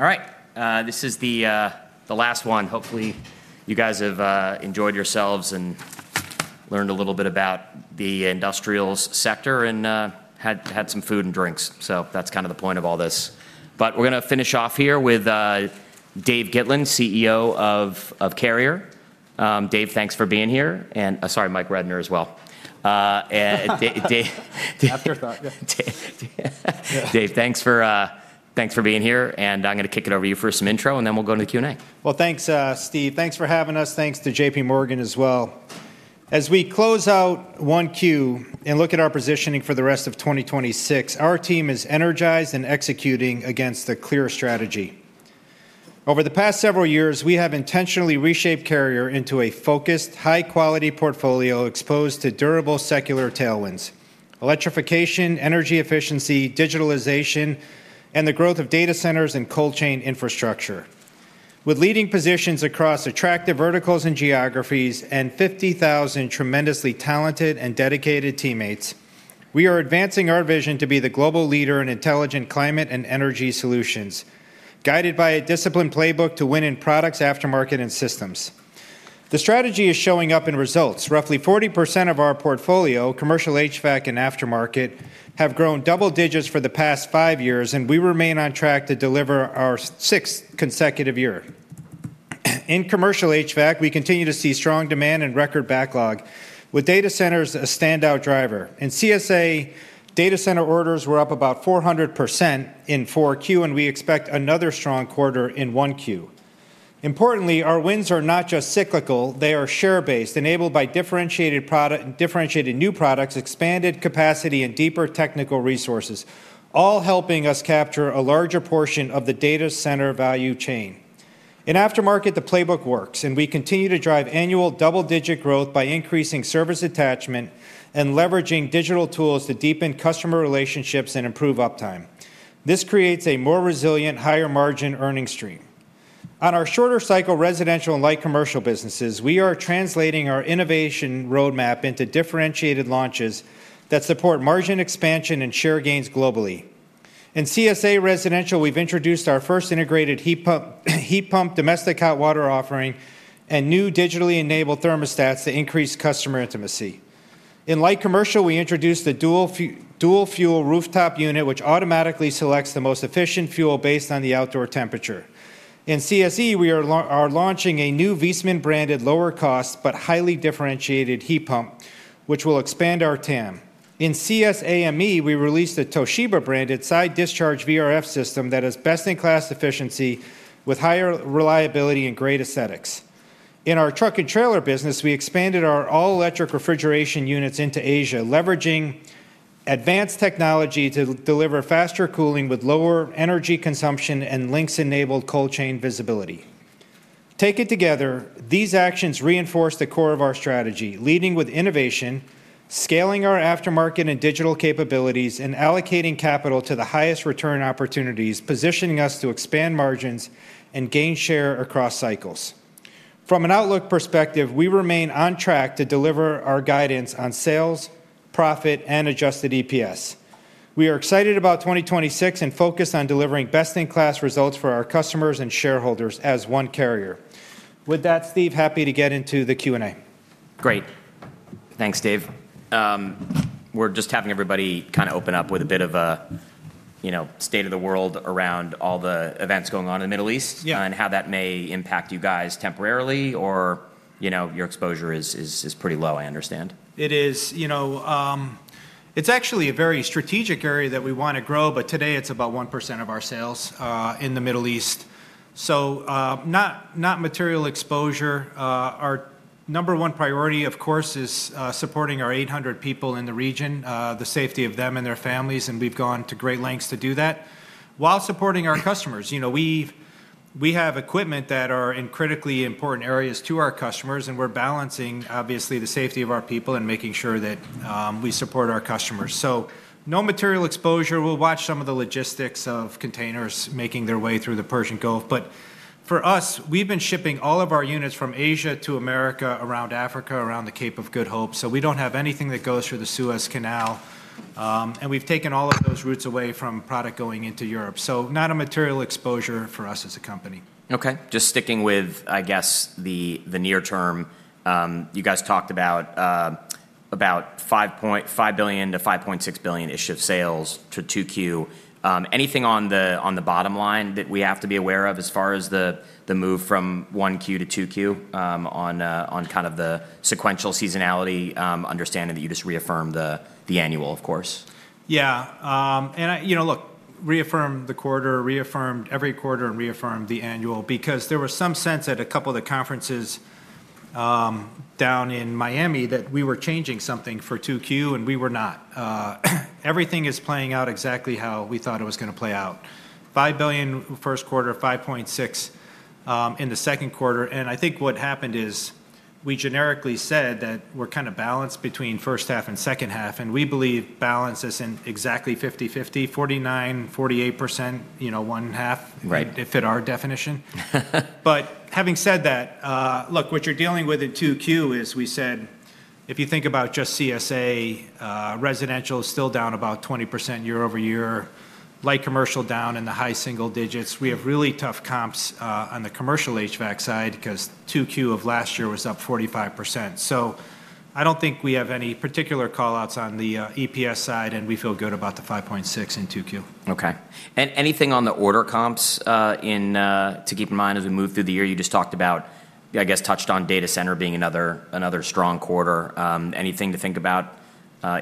All right. This is the last one. Hopefully, you guys have enjoyed yourselves and learned a little bit about the industrials sector and had some food and drinks. That's kind of the point of all this. We're gonna finish off here with David Gitlin, CEO of Carrier. Dave, thanks for being here, and sorry, Michael Rednor as well. Afterthought, yeah. Dave, thanks for being here, and I'm gonna kick it over to you for some intro, and then we'll go to the Q&A. Well, thanks, Steve. Thanks for having us. Thanks to JPMorgan as well. As we close out Q1 and look at our positioning for the rest of 2026, our team is energized and executing against a clear strategy. Over the past several years, we have intentionally reshaped Carrier into a focused, high quality portfolio exposed to durable secular tailwinds, electrification, energy efficiency, digitalization, and the growth of data centers and cold chain infrastructure. With leading positions across attractive verticals and geographies and 50,000 tremendously talented and dedicated teammates, we are advancing our vision to be the global leader in intelligent climate and energy solutions, guided by a disciplined playbook to win in products, aftermarket, and systems. The strategy is showing up in results. Roughly 40% of our portfolio, commercial HVAC, and aftermarket, have grown double digits for the past five years, and we remain on track to deliver our sixth consecutive year. In commercial HVAC, we continue to see strong demand and record backlog, with data centers a standout driver. In CSA, data center orders were up about 400% in Q4, and we expect another strong quarter in Q1. Importantly, our wins are not just cyclical, they are share-based, enabled by differentiated new products, expanded capacity, and deeper technical resources, all helping us capture a larger portion of the data center value chain. In aftermarket, the playbook works, and we continue to drive annual double-digit growth by increasing service attachment and leveraging digital tools to deepen customer relationships and improve uptime. This creates a more resilient, higher margin earning stream. On our shorter cycle residential and light commercial businesses, we are translating our innovation roadmap into differentiated launches that support margin expansion and share gains globally. In CSA residential, we've introduced our first integrated heat pump, heat pump domestic hot water offering and new digitally enabled thermostats to increase customer intimacy. In light commercial, we introduced the dual fuel rooftop unit which automatically selects the most efficient fuel based on the outdoor temperature. In CSE, we are launching a new Viessmann branded lower cost but highly differentiated heat pump, which will expand our TAM. In CSAME, we released a Toshiba branded side discharge VRF system that is best in class efficiency with higher reliability and great aesthetics. In our truck and trailer business, we expanded our all electric refrigeration units into Asia, leveraging advanced technology to deliver faster cooling with lower energy consumption and Lynx enabled cold chain visibility. Taken together, these actions reinforce the core of our strategy, leading with innovation, scaling our aftermarket and digital capabilities, and allocating capital to the highest return opportunities, positioning us to expand margins and gain share across cycles. From an outlook perspective, we remain on track to deliver our guidance on sales, profit, and adjusted EPS. We are excited about 2026 and focused on delivering best in class results for our customers and shareholders as one Carrier. With that, Steve, happy to get into the Q&A. Great. Thanks, Dave. We're just having everybody kinda open up with a bit of a, you know, state of the world around all the events going on in the Middle East. Yeah. How that may impact you guys temporarily or, you know, your exposure is pretty low, I understand? It is. You know, it's actually a very strategic area that we wanna grow, but today it's about 1% of our sales in the Middle East. Not material exposure. Our number one priority, of course, is supporting our 800 people in the region, the safety of them and their families, and we've gone to great lengths to do that while supporting our customers. You know, we have equipment that are in critically important areas to our customers, and we're balancing, obviously, the safety of our people and making sure that we support our customers. No material exposure. We'll watch some of the logistics of containers making their way through the Persian Gulf. For us, we've been shipping all of our units from Asia to America, around Africa, around the Cape of Good Hope, so we don't have anything that goes through the Suez Canal, and we've taken all of those routes away from product going into Europe. Not a material exposure for us as a company. Okay. Just sticking with, I guess, the near term, you guys talked about about $5 billion-$5.6 billion-ish of sales to 2Q. Anything on the bottom line that we have to be aware of as far as the move from 1Q to 2Q, on kind of the sequential seasonality, understanding that you just reaffirmed the annual, of course? Yeah. You know, look, reaffirmed the quarter, reaffirmed every quarter and reaffirmed the annual because there was some sense at a couple of the conferences down in Miami that we were changing something for 2Q, and we were not. Everything is playing out exactly how we thought it was gonna play out. $5 billion first quarter, $5.6 billion in the second quarter, and I think what happened is we generically said that we're kinda balanced between first half and second half, and we believe balance is in exactly 50/50, 49%-48%, you know, one half. Right. Fit our definition. Having said that, look, what you're dealing with in 2Q is, we said if you think about just CSA, residential is still down about 20% year-over-year. Light commercial down in the high single digits. We have really tough comps on the commercial HVAC side because 2Q of last year was up 45%. I don't think we have any particular call-outs on the EPS side, and we feel good about the $5.6 in 2Q. Okay. Anything on the order comps to keep in mind as we move through the year? You just talked about, I guess, touched on data center being another strong quarter. Anything to think about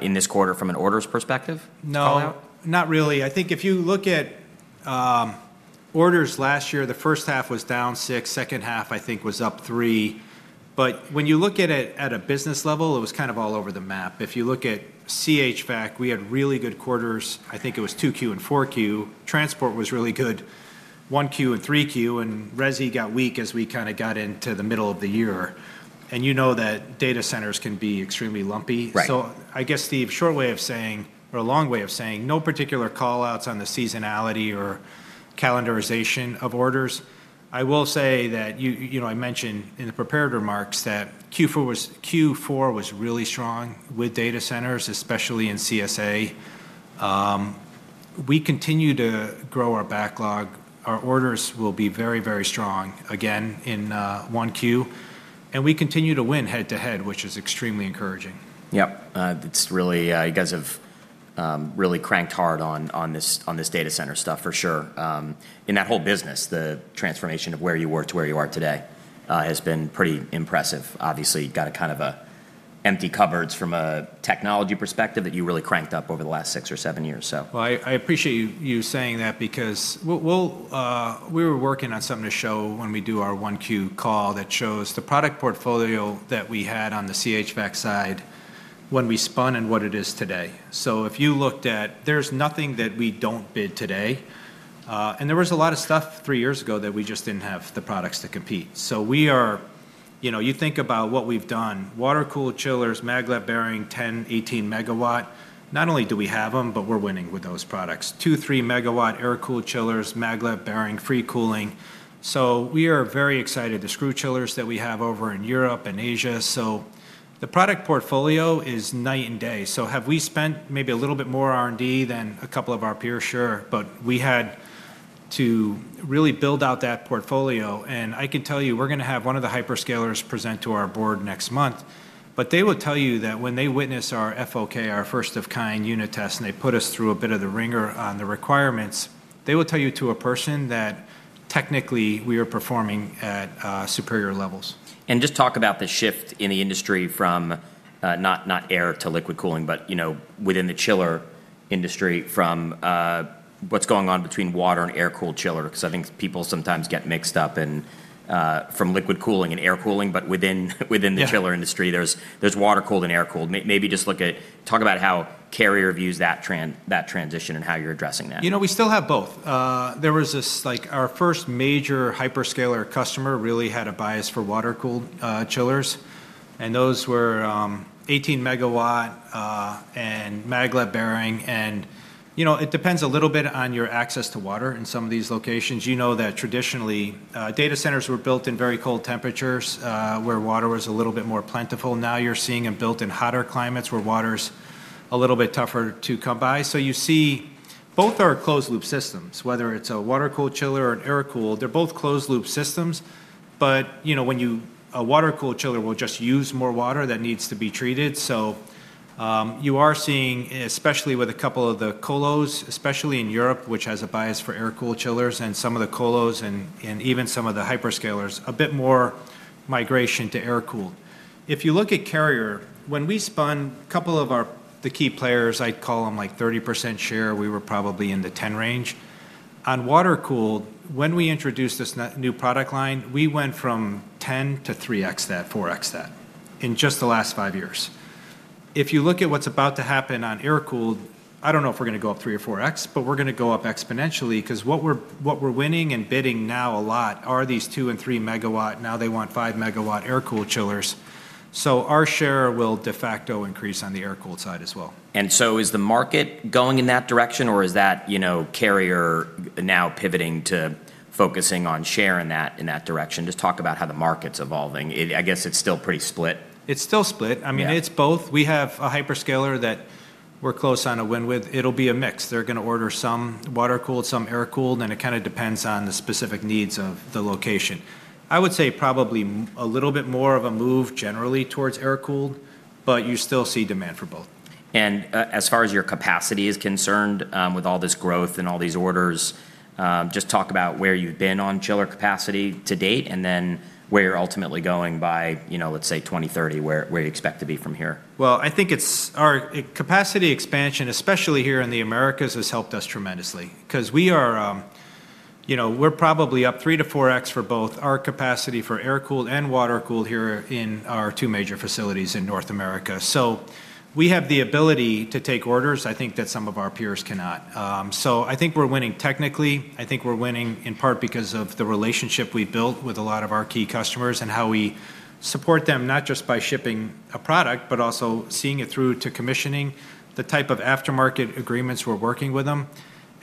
in this quarter from an orders perspective call-out? No, not really. I think if you look at orders last year, the first half was down 6%, second half I think was up 3%. When you look at it at a business level, it was kind of all over the map. If you look at Commercial HVAC, we had really good quarters. I think it was 2Q and 4Q. Transport was really good 1Q and 3Q, and resi got weak as we kind of got into the middle of the year. You know that data centers can be extremely lumpy. Right. I guess, Steve, short way of saying, or a long way of saying, no particular call-outs on the seasonality or calendarization of orders. I will say that you know, I mentioned in the prepared remarks that Q4 was really strong with data centers, especially in CSA. We continue to grow our backlog. Our orders will be very, very strong again in 1Q, and we continue to win head-to-head, which is extremely encouraging. Yep. It's really you guys have really cranked hard on this data center stuff for sure. In that whole business, the transformation of where you were to where you are today has been pretty impressive. Obviously, you've got a kind of empty cupboards from a technology perspective that you really cranked up over the last six or seven years. I appreciate you saying that because we were working on something to show when we do our 1Q call that shows the product portfolio that we had on the Commercial HVAC side when we spun and what it is today. If you looked at, there's nothing that we don't bid today, and there was a lot of stuff three years ago that we just didn't have the products to compete. We are, you know, you think about what we've done, water-cooled chillers, maglev bearing, 10 MW-18 MW. Not only do we have them, but we're winning with those products. 2 MW-3 MW air-cooled chillers, maglev bearing, free cooling. We are very excited. The screw chillers that we have over in Europe and Asia. The product portfolio is night and day. Have we spent maybe a little bit more R&D than a couple of our peers? Sure. We had to really build out that portfolio, and I can tell you, we're gonna have one of the hyperscalers present to our board next month. They will tell you that when they witness our FOK, our first of kind unit test, and they put us through a bit of the wringer on the requirements, they will tell you to a person that technically we are performing at superior levels. Just talk about the shift in the industry from not air to liquid cooling, but you know within the chiller industry from what's going on between water and air-cooled chiller, because I think people sometimes get mixed up in from liquid cooling and air cooling. But within Yeah. The chiller industry, there's water-cooled and air-cooled. Maybe just look at, talk about how Carrier views that transition and how you're addressing that? You know, we still have both. There was this, like, our first major hyperscaler customer really had a bias for water-cooled chillers, and those were 18-MW and maglev bearing. You know, it depends a little bit on your access to water in some of these locations. You know that traditionally data centers were built in very cold temperatures where water was a little bit more plentiful. Now you're seeing them built in hotter climates where water's a little bit tougher to come by. You see both are closed loop systems, whether it's a water-cooled chiller or an air-cooled, they're both closed loop systems. You know, a water-cooled chiller will just use more water that needs to be treated. You are seeing, especially with a couple of the colos, especially in Europe, which has a bias for air-cooled chillers and some of the colos and even some of the hyperscalers, a bit more migration to air-cooled. If you look at Carrier, when we spun a couple of our, the key players, I'd call them, like, 30% share, we were probably in the 10 range. On water-cooled, when we introduced this new product line, we went from 10x to 3x that, 4x that in just the last five years. If you look at what's about to happen on air-cooled, I don't know if we're gonna go up 3x or 4x, but we're gonna go up exponentially because what we're winning and bidding now a lot are these 2 MW and 3 MW. Now they want 5 MW air-cooled chillers. Our share will de facto increase on the air-cooled side as well. Is the market going in that direction, or is that, you know, Carrier now pivoting to focusing on share in that, in that direction? Just talk about how the market's evolving. It, I guess it's still pretty split. It's still split. Yeah. I mean, it's both. We have a hyperscaler that we're close on a win with. It'll be a mix. They're gonna order some water-cooled, some air-cooled, and it kind of depends on the specific needs of the location. I would say probably a little bit more of a move generally towards air-cooled, but you still see demand for both. As far as your capacity is concerned, with all this growth and all these orders, just talk about where you've been on chiller capacity to date and then where you're ultimately going by, you know, let's say 2030, where you expect to be from here? Well, I think it's our capacity expansion, especially here in the Americas, has helped us tremendously because we are, you know, we're probably up 3x-4x for both our capacity for air-cooled and water-cooled here in our two major facilities in North America. We have the ability to take orders I think that some of our peers cannot. I think we're winning technically. I think we're winning in part because of the relationship we built with a lot of our key customers and how we support them, not just by shipping a product, but also seeing it through to commissioning, the type of aftermarket agreements we're working with them.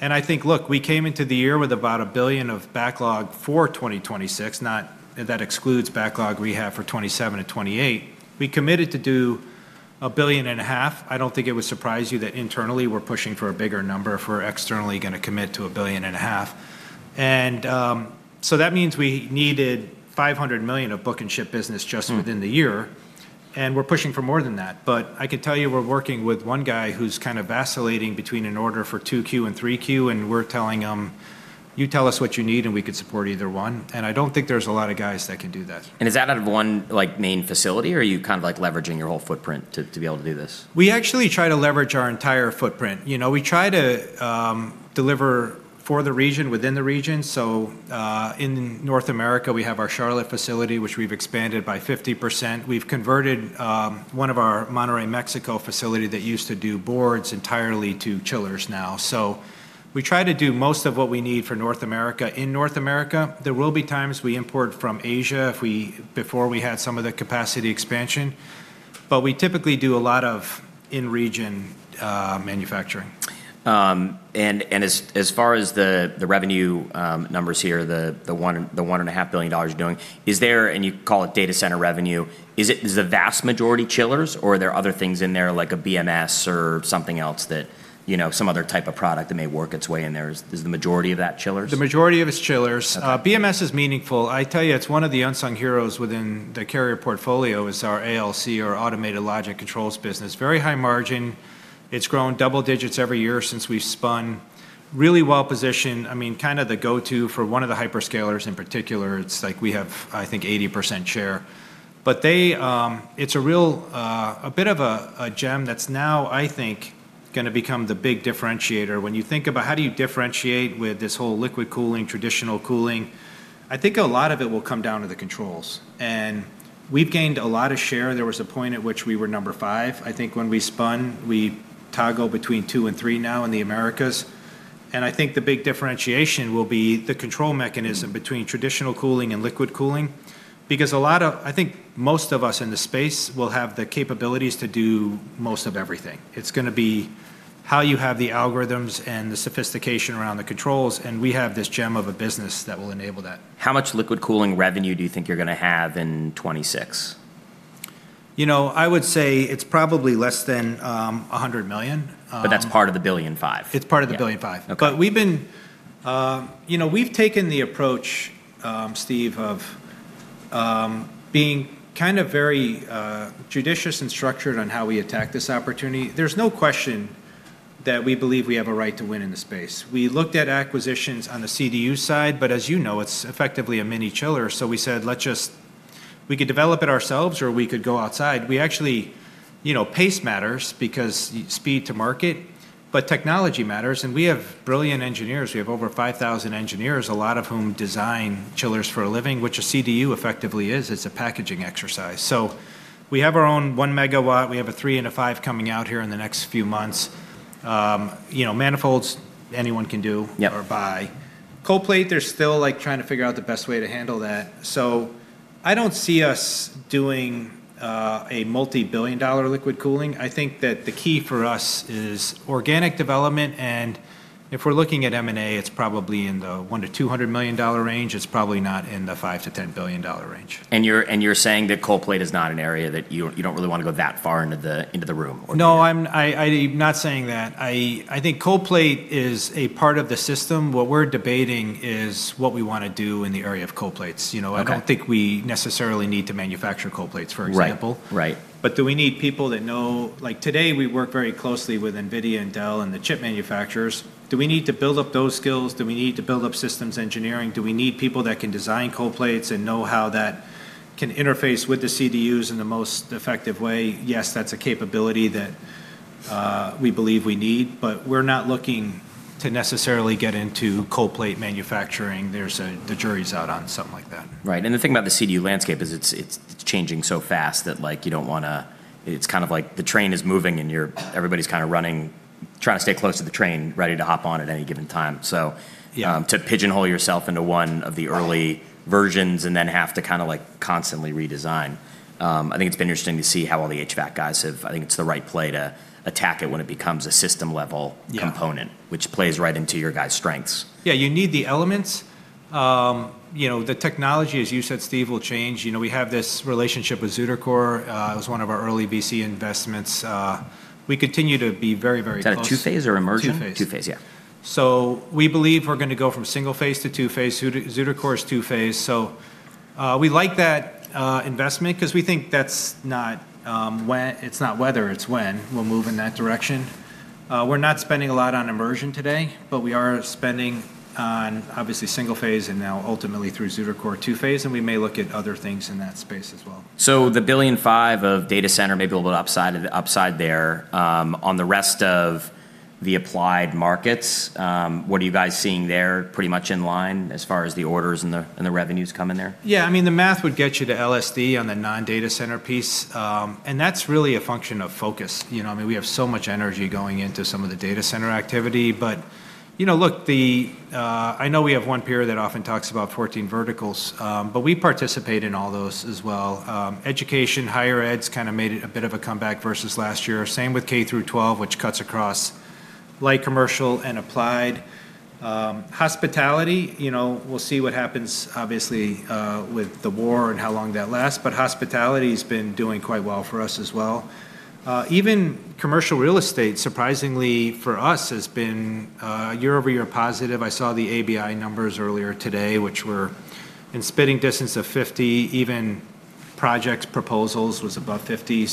I think, look, we came into the year with about $1 billion of backlog for 2026, not, that excludes backlog we have for 2027 and 2028. We committed to do a billion and a half. I don't think it would surprise you that internally we're pushing for a bigger number if we're externally gonna commit to a billion and a half. That means we needed $500 million of book and ship business just within the year, and we're pushing for more than that. I could tell you we're working with one guy who's kind of vacillating between an order for 2Q and 3Q, and we're telling him, "You tell us what you need, and we could support either one." I don't think there's a lot of guys that can do that. Is that out of one, like, main facility, or are you kind of, like, leveraging your whole footprint to be able to do this? We actually try to leverage our entire footprint. You know, we try to deliver for the region within the region. In North America, we have our Charlotte facility, which we've expanded by 50%. We've converted one of our Monterrey, Mexico facility that used to do boards entirely to chillers now. We try to do most of what we need for North America in North America. There will be times we import from Asia before we had some of the capacity expansion. We typically do a lot of in-region manufacturing. As far as the revenue numbers here, the $1.5 billion you're doing, is there, and you call it data center revenue, is it the vast majority chillers, or are there other things in there like a BMS or something else that, you know, some other type of product that may work its way in there? Is the majority of that chillers? The majority of its chillers. Okay. BMS is meaningful. I tell you, it's one of the unsung heroes within the Carrier portfolio is our ALC, our automated logic controls business. Very high margin. It's grown double digits every year since we've spun. Really well-positioned, I mean, kind of the go-to for one of the hyperscalers in particular. It's like we have, I think, 80% share. But they... It's a real, a bit of a gem that's now, I think, gonna become the big differentiator. When you think about how do you differentiate with this whole liquid cooling, traditional cooling, I think a lot of it will come down to the controls. We've gained a lot of share. There was a point at which we were number five. I think when we spun, we toggle between two and three now in the Americas. I think the big differentiation will be the control mechanism between traditional cooling and liquid cooling, because I think most of us in the space will have the capabilities to do most of everything. It's gonna be how you have the algorithms and the sophistication around the controls, and we have this gem of a business that will enable that. How much liquid cooling revenue do you think you're gonna have in 2026? You know, I would say it's probably less than $100 million. That's part of the $1.5 billion? It's part of the $1.5 billion. Yeah. Okay. You know, we've taken the approach, Steve, of being kind of very judicious and structured on how we attack this opportunity. There's no question that we believe we have a right to win in the space. We looked at acquisitions on the CDU side, but as you know, it's effectively a mini chiller, so we could develop it ourselves, or we could go outside. You know, pace matters because speed to market, but technology matters, and we have brilliant engineers. We have over 5,000 engineers, a lot of whom design chillers for a living, which a CDU effectively is. It's a packaging exercise. So we have our own 1 MW. We have a three and a five coming out here in the next few months. You know, manifolds anyone can do. Yeah. Or buy. Cold plate, they're still, like, trying to figure out the best way to handle that. I don't see us doing a multi-billion dollar liquid cooling. I think that the key for us is organic development, and if we're looking at M&A, it's probably in the $1 million-$200 million range. It's probably not in the $5 billion-$10 billion range. You're saying that cold plate is not an area that you don't really wanna go that far into the room or the- No, I'm not saying that. I think cold plate is a part of the system. What we're debating is what we wanna do in the area of cold plates. You know. Okay. I don't think we necessarily need to manufacture cold plates, for example. Right. Right. Do we need people that know, like, today we work very closely with NVIDIA and Dell and the chip manufacturers. Do we need to build up those skills? Do we need to build up systems engineering? Do we need people that can design cold plates and know how that can interface with the CDUs in the most effective way? Yes, that's a capability that we believe we need, but we're not looking to necessarily get into cold plate manufacturing. The jury's out on something like that. Right. The thing about the CDU landscape is it's changing so fast that, like, you don't wanna. It's kind of like the train is moving, and everybody's kinda running, trying to stay close to the train, ready to hop on at any given time. Yeah. To pigeonhole yourself into one of the early versions and then have to kinda, like, constantly redesign. I think it's the right play to attack it when it becomes a system level component. Yeah. Which plays right into your guys' strengths. Yeah, you need the elements. You know, the technology, as you said, Steve, will change. You know, we have this relationship with ZutaCore. It was one of our early VC investments. We continue to be very, very close. Is that a two-phase or immersion? Two-phase. Two-phase. Yeah. We believe we're gonna go from single-phase to two-phase. ZutaCore is two-phase. We like that investment 'cause we think that's not whether, it's when we'll move in that direction. We're not spending a lot on immersion today, but we are spending on obviously single-phase and now ultimately through ZutaCore two-phase, and we may look at other things in that space as well. The $1.5 billion of data center may be a little bit upside of the upside there. On the rest of the applied markets, what are you guys seeing there? Pretty much in line as far as the orders and the revenues coming there? Yeah. I mean, the math would get you to LSD on the non-data center piece. And that's really a function of focus. You know, I mean, we have so much energy going into some of the data center activity. You know, look, I know we have one peer that often talks about 14 verticals, but we participate in all those as well. Education, higher ed's kinda made a bit of a comeback versus last year. Same with K through 12, which cuts across light commercial and applied. Hospitality, you know, we'll see what happens obviously with the war and how long that lasts, but hospitality's been doing quite well for us as well. Even commercial real estate, surprisingly for us, has been year-over-year positive. I saw the ABI numbers earlier today, which were in spitting distance of 50. Even project proposals was above 50.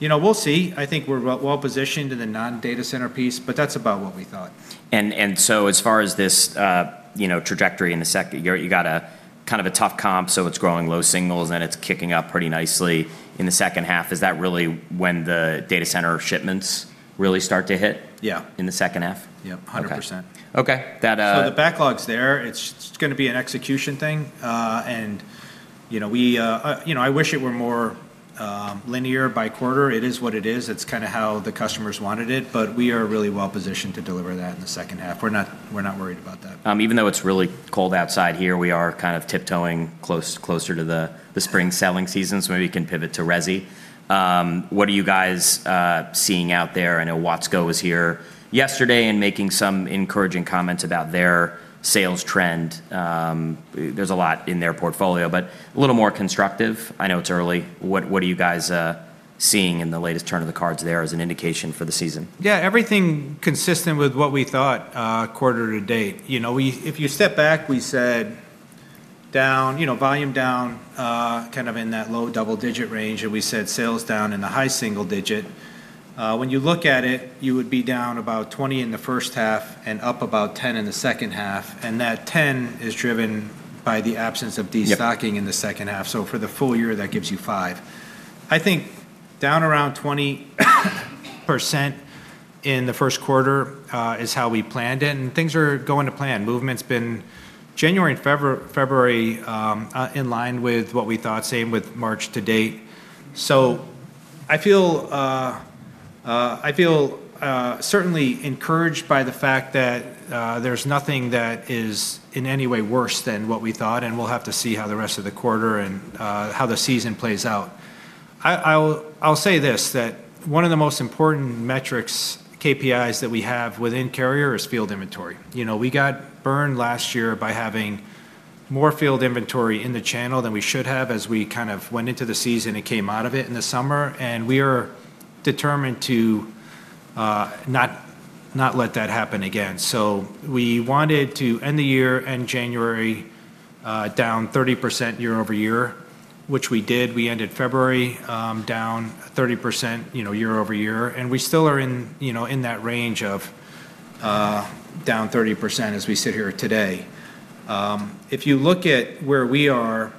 You know, we'll see. I think we're well-positioned in the non-data center piece, but that's about what we thought. As far as this, you know, trajectory. You got a kind of a tough comp, so it's growing low singles, then it's kicking up pretty nicely in the second half. Is that really when the data center shipments really start to hit? Yeah. In the second half? Yep. 100%. Okay. That. The backlog's there. It's gonna be an execution thing. I wish it were more linear by quarter. It is what it is. It's kinda how the customers wanted it. We are really well-positioned to deliver that in the second half. We're not worried about that. Even though it's really cold outside here, we are kind of tiptoeing closer to the spring selling season, so maybe you can pivot to resi. What are you guys seeing out there? I know Watsco was here yesterday and making some encouraging comments about their sales trend. There's a lot in their portfolio, but a little more constructive. I know it's early. What are you guys seeing in the latest turn of the cards there as an indication for the season? Yeah, everything consistent with what we thought, quarter to date. You know, if you step back, we said down, you know, volume down, kind of in that low double-digit range, and we said sales down in the high single-digit. When you look at it, you would be down about 20% in the first half and up about 10% in the second half, and that 10% is driven by the absence of destocking. Yep. In the second half. For the full year, that gives you 5%. I think down around 20% in the first quarter is how we planned it, and things are going to plan. Movement's been January and February in line with what we thought. Same with March to date. I feel certainly encouraged by the fact that there's nothing that is in any way worse than what we thought, and we'll have to see how the rest of the quarter and how the season plays out. I'll say this, that one of the most important metrics, KPIs that we have within Carrier is field inventory. You know, we got burned last year by having more field inventory in the channel than we should have as we kind of went into the season and came out of it in the summer, and we are determined to not let that happen again. We wanted to end the year, end January, down 30% year-over-year, which we did. We ended February, down 30%, you know, year-over-year, and we still are in, you know, in that range of down 30% as we sit here today. If you look at where we are,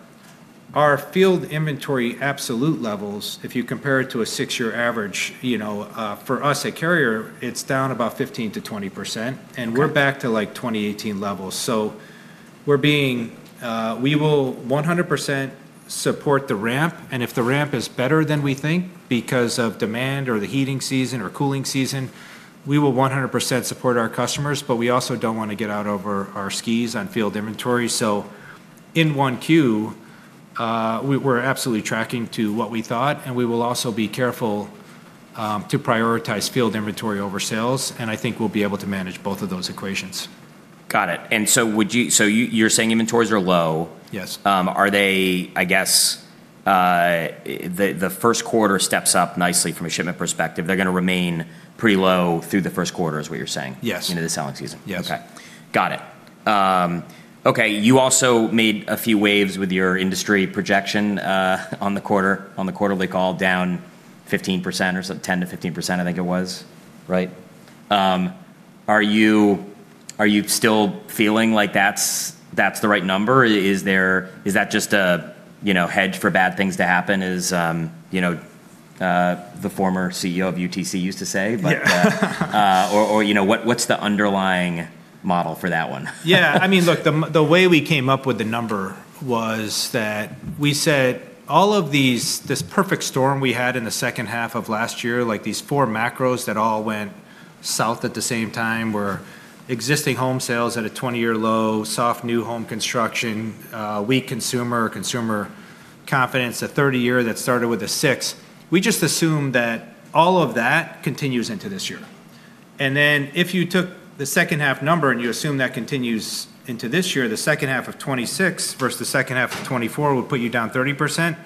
our field inventory absolute levels, if you compare it to a six-year average, you know, for us at Carrier, it's down about 15%-20%. Okay. We're back to, like, 2018 levels. We will 100% support the ramp, and if the ramp is better than we think because of demand or the heating season or cooling season, we will 100% support our customers, but we also don't wanna get out over our skis on field inventory. In 1Q, we're absolutely tracking to what we thought, and we will also be careful to prioritize field inventory over sales, and I think we'll be able to manage both of those equations. Got it. You, you're saying inventories are low. Yes. Are they, I guess, the first quarter steps up nicely from a shipment perspective. They're gonna remain pretty low through the first quarter, is what you're saying? Yes. Into the selling season. Yes. Okay. Got it. Okay. You also made a few waves with your industry projection on the quarter, on the quarterly call down 15% or so, 10%-15% I think it was. Right? Are you still feeling like that's the right number? Is that just a, you know, hedge for bad things to happen, as you know, the former CEO of UTC used to say? But, or, you know, what's the underlying model for that one? Yeah. I mean, look, the way we came up with the number was that we said all of these, this perfect storm we had in the second half of last year, like these four macros that all went south at the same time, were existing home sales at a 20-year low, soft new home construction, weak consumer confidence, a 30-year that started with a six. We just assumed that all of that continues into this year. If you took the second half number and you assume that continues into this year, the second half of 2026 versus the second half of 2024 would put you down 30%.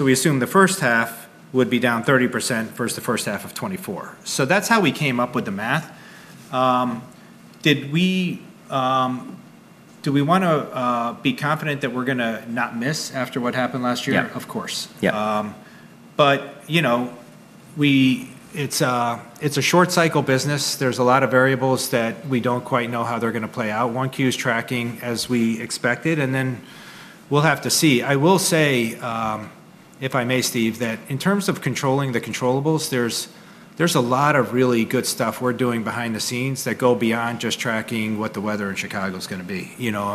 We assume the first half would be down 30% versus the first half of 2024. That's how we came up with the math. Do we wanna be confident that we're gonna not miss after what happened last year? Yeah. Of course. Yeah. It's a short cycle business. There's a lot of variables that we don't quite know how they're gonna play out. One Q is tracking as we expected, and then we'll have to see. I will say, if I may, Steve, that in terms of controlling the controllables, there's a lot of really good stuff we're doing behind the scenes that go beyond just tracking what the weather in Chicago's gonna be. You know, I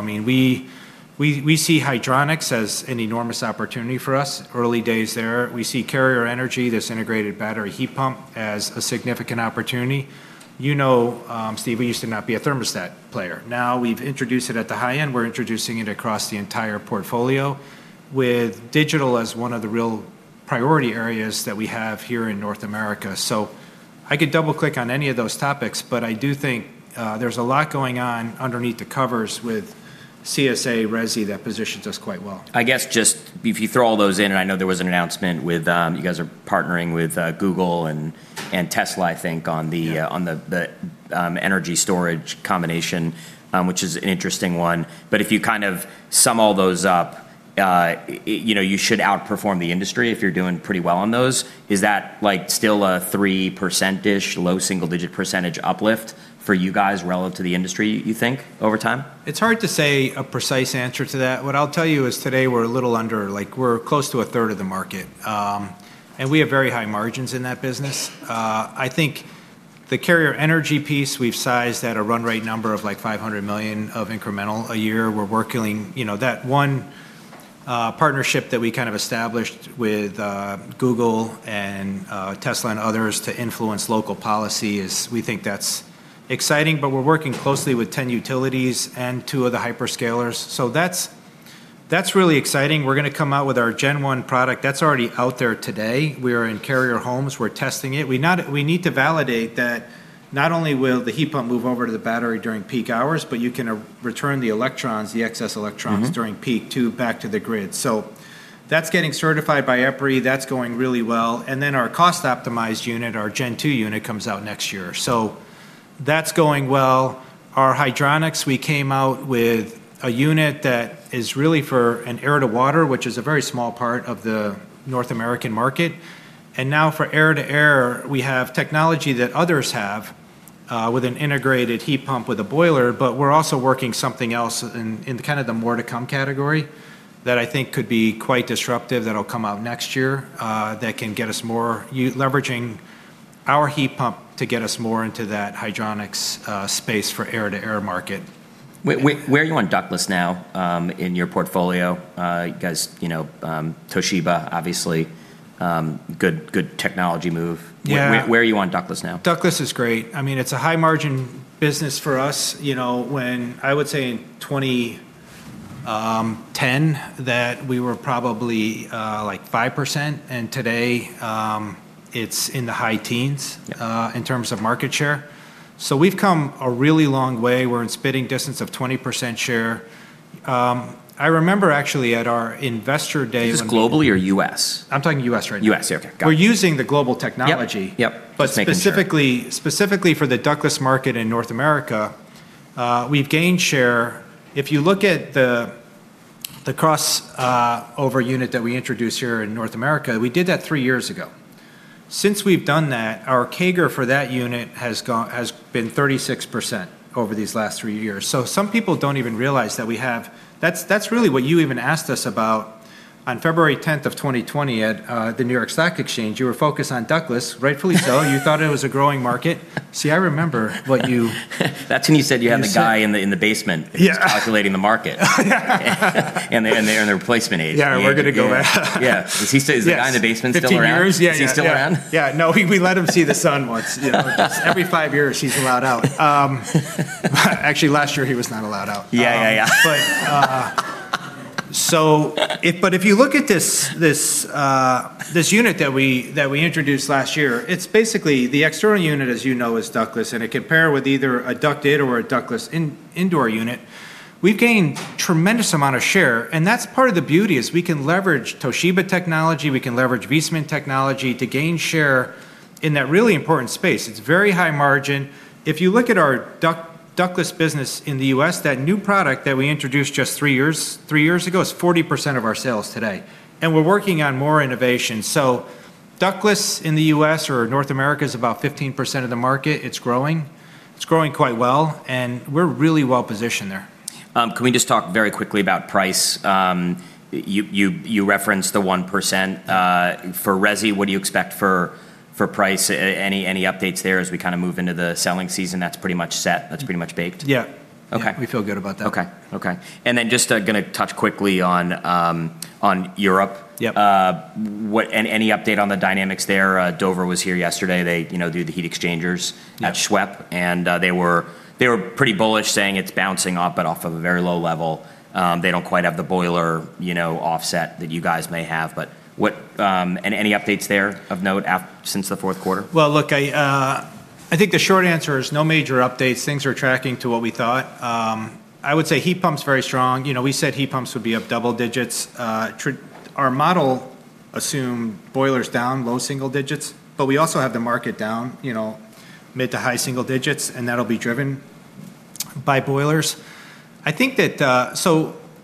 mean, we see Hydronics as an enormous opportunity for us. Early days there. We see Carrier Energy, this integrated battery heat pump, as a significant opportunity. You know, Steve, we used to not be a thermostat player. Now we've introduced it at the high end. We're introducing it across the entire portfolio. With digital as one of the real priority areas that we have here in North America. I could double-click on any of those topics, but I do think there's a lot going on underneath the covers with CSA Resi that positions us quite well. I guess just if you throw all those in, and I know there was an announcement with you guys are partnering with Google and Tesla, I think, on the- Yeah. On the energy storage combination, which is an interesting one. If you kind of sum all those up, you know, you should outperform the industry if you're doing pretty well on those. Is that, like, still a 3%-ish, low single-digit percentage uplift for you guys relative to the industry, you think, over time? It's hard to say a precise answer to that. What I'll tell you is today we're a little under. Like, we're close to 1/3 of the market. We have very high margins in that business. I think the Carrier Energy piece, we've sized at a run rate number of, like, $500 million of incremental a year. We're working, you know, that one, partnership that we kind of established with, Google and, Tesla and others to influence local policy is we think that's exciting. We're working closely with 10 utilities and two of the hyperscalers. That's really exciting. We're gonna come out with our Gen 1 product. That's already out there today. We are in Carrier homes. We're testing it. We need to validate that not only will the heat pump move over to the battery during peak hours, but you can return the electrons, the excess electrons. Mm-hmm. During peak, too, back to the grid. That's getting certified by EPRI. That's going really well. Our cost-optimized unit, our Gen 2 unit, comes out next year. That's going well. Our hydronics, we came out with a unit that is really for an air-to-water, which is a very small part of the North American market. Now for air-to-air, we have technology that others have with an integrated heat pump with a boiler, but we're also working something else in kind of the more to come category that I think could be quite disruptive that'll come out next year that can get us more leveraging our heat pump to get us more into that hydronics space for air-to-air market. Where are you on ductless now, in your portfolio? You guys, you know, Toshiba obviously, good technology move. Yeah. Where are you on ductless now? Ductless is great. I mean, it's a high margin business for us. You know, when I would say in 2010 that we were probably like 5%, and today it's in the high teens%. Yeah. In terms of market share. We've come a really long way. We're in spitting distance of 20% share. I remember actually at our investor day- Is this globally or U.S.? I'm talking U.S. right now. U.S. Okay. Got it. We're using the global technology. Yep. Yep. Just making sure. Specifically for the ductless market in North America, we've gained share. If you look at the crossover unit that we introduced here in North America, we did that three years ago. Since we've done that, our CAGR for that unit has been 36% over these last three years. Some people don't even realize that we have. That's really what you even asked us about on February 10th of 2020 at the New York Stock Exchange. You were focused on ductless, rightfully so. You thought it was a growing market. See, I remember what you. That's when you said you had the guy in the basement. Yeah. Who's calculating the market. Yeah. They're in the replacement age. Yeah. We're gonna go back. Yeah. Is he still? Yes. Is the guy in the basement still around? 15 years. Yeah, yeah. Is he still around? Yeah. No. We let him see the sun once, you know. Just every five years he's allowed out. Actually, last year he was not allowed out. Yeah, yeah. If you look at this unit that we introduced last year, it's basically the external unit, as you know, is ductless, and it can pair with either a ducted or a ductless indoor unit. We've gained tremendous amount of share, and that's part of the beauty is we can leverage Toshiba technology. We can leverage Viessmann technology to gain share in that really important space. It's very high margin. If you look at our ductless business in the U.S., that new product that we introduced just three years ago is 40% of our sales today, and we're working on more innovation. Ductless in the U.S. or North America is about 15% of the market. It's growing quite well, and we're really well positioned there. Can we just talk very quickly about price? You referenced the 1%. For resi, what do you expect for price? Any updates there as we kinda move into the selling season that's pretty much set, that's pretty much baked? Yeah. Okay. We feel good about that. Okay. Just gonna touch quickly on Europe. Yep. Any update on the dynamics there? Dover was here yesterday. They, you know, do the heat exchangers. Yeah. At SWEP, they were pretty bullish saying it's bouncing off but off of a very low level. They don't quite have the boiler, you know, offset that you guys may have. Any updates there of note since the fourth quarter? Well, look, I think the short answer is no major updates. Things are tracking to what we thought. I would say heat pumps are very strong. You know, we said heat pumps would be up double digits. Our model assumed boilers down low single digits, but we also have the market down, you know, mid to high single digits, and that'll be driven by boilers. I think that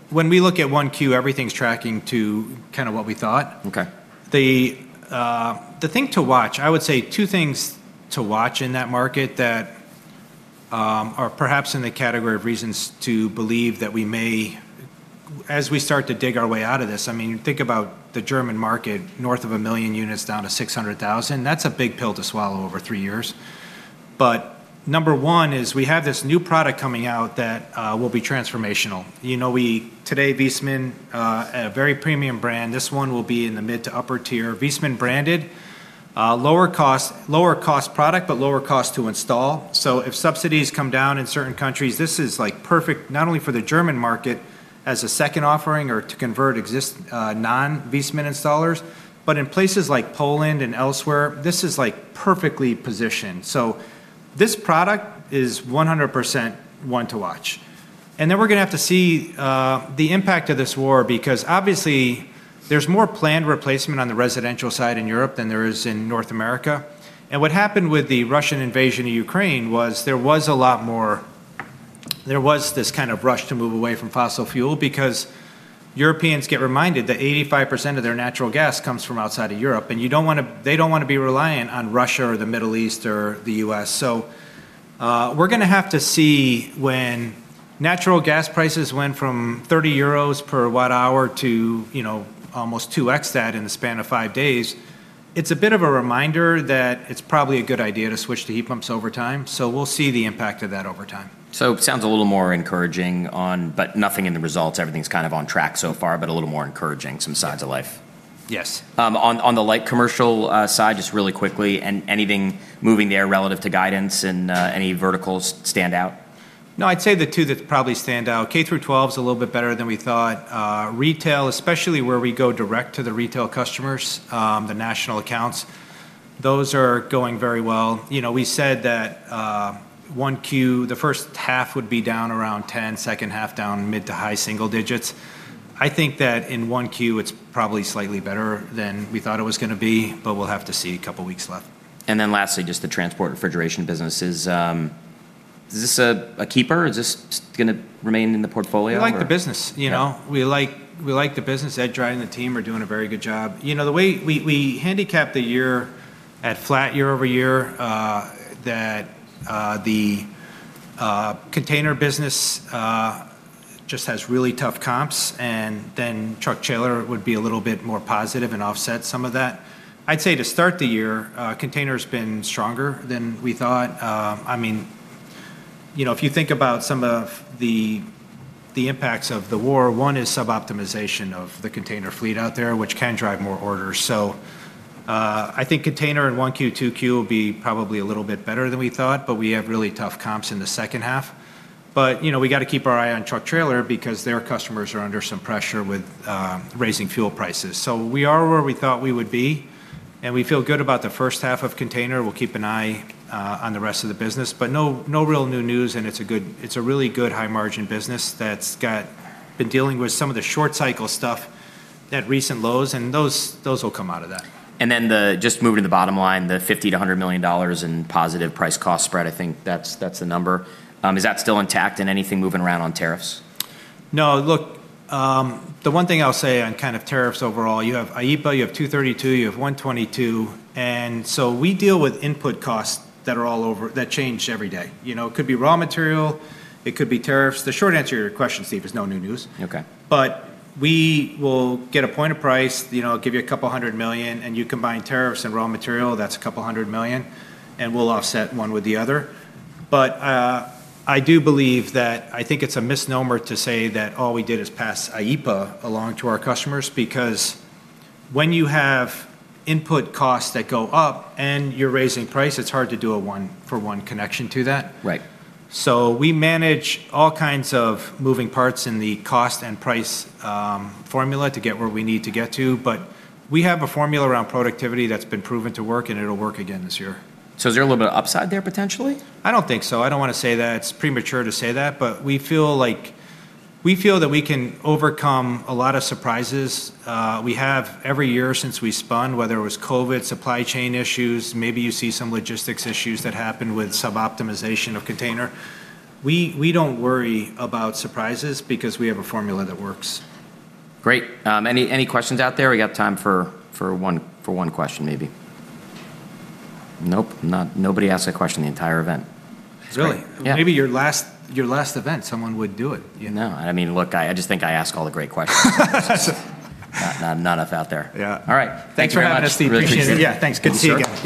when we look at 1Q, everything's tracking to what we thought. Okay. The thing to watch, I would say two things to watch in that market that are perhaps in the category of reasons to believe that we may as we start to dig our way out of this. I mean, think about the German market, north of 1 million units down to 600,000. That's a big pill to swallow over three years. Number one is we have this new product coming out that will be transformational. You know, we, today Viessmann, a very premium brand. This one will be in the mid to upper tier. Viessmann branded, lower cost product, but lower cost to install. If subsidies come down in certain countries, this is, like, perfect, not only for the German market as a second offering or to convert existing non-Viessmann installers, but in places like Poland and elsewhere, this is, like, perfectly positioned. This product is 100% one to watch. Then we're gonna have to see the impact of this war, because obviously there's more planned replacement on the residential side in Europe than there is in North America. What happened with the Russian invasion of Ukraine was there was this kind of rush to move away from fossil fuel because Europeans get reminded that 85% of their natural gas comes from outside of Europe, and they don't wanna be reliant on Russia or the Middle East or the U.S. We're gonna have to see when natural gas prices went from 30 euros per watt hour to, you know, almost 2x that in the span of five days. It's a bit of a reminder that it's probably a good idea to switch to heat pumps over time. We'll see the impact of that over time. Sounds a little more encouraging on. Nothing in the results, everything's kind of on track so far, but a little more encouraging, some signs of life. Yes. On the light commercial side, just really quickly, anything moving there relative to guidance and any verticals stand out? No, I'd say the two that probably stand out, K through 12's a little bit better than we thought. Retail, especially where we go direct to the retail customers, the national accounts, those are going very well. You know, we said that, 1Q, the first half would be down around 10%, second half down mid- to high-single digits. I think that in 1Q, it's probably slightly better than we thought it was gonna be, but we'll have to see, couple weeks left. Lastly, just the transport refrigeration business. Is this a keeper? Is this gonna remain in the portfolio or- We like the business, you know. Yeah. We like the business. Edward Dryden and the team are doing a very good job. You know, the way we handicapped the year at flat year-over-year, that the container business just has really tough comps and then truck trailer would be a little bit more positive and offset some of that. I'd say to start the year, container's been stronger than we thought. I mean, you know, if you think about some of the impacts of the war, one is sub-optimization of the container fleet out there, which can drive more orders. I think container in 1Q, 2Q will be probably a little bit better than we thought, but we have really tough comps in the second half. You know, we gotta keep our eye on truck trailer because their customers are under some pressure with rising fuel prices. We are where we thought we would be, and we feel good about the first half of container. We'll keep an eye on the rest of the business. No real new news, and it's a really good high margin business that's been dealing with some of the short cycle stuff at recent lows, and those will come out of that. Just moving to the bottom line, the $50 million-$100 million in positive price cost spread, I think that's the number. Is that still intact and anything moving around on tariffs? No. Look, the one thing I'll say on kind of tariffs overall, you have IEEPA, you have Section 232, you have Section 122. We deal with input costs that are all over, that change every day. You know, it could be raw material, it could be tariffs. The short answer to your question, Steve, is no new news. Okay. We will get a point of price, you know, give you $200 million, and you combine tariffs and raw material, that's $200 million, and we'll offset one with the other. I do believe that, I think it's a misnomer to say that all we did is pass IEEPA along to our customers, because when you have input costs that go up and you're raising price, it's hard to do a one for one connection to that. Right. We manage all kinds of moving parts in the cost and price formula to get where we need to get to, but we have a formula around productivity that's been proven to work, and it'll work again this year. Is there a little bit of upside there potentially? I don't think so. I don't wanna say that. It's premature to say that. We feel that we can overcome a lot of surprises. We have every year since we spun, whether it was COVID, supply chain issues, maybe you see some logistics issues that happened with sub-optimization of container. We don't worry about surprises because we have a formula that works. Great. Any questions out there? We got time for one question maybe. Nope. Nobody asked a question the entire event. Really? Yeah. Maybe your last event, someone would do it, you know? No, I mean, look, I just think I ask all the great questions. Not enough out there. Yeah. All right. Thanks very much. Thanks for having us, Steve. Appreciate it. Really appreciate it. Yeah, thanks. Good to see you again.